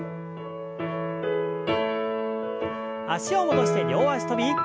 脚を戻して両脚跳び。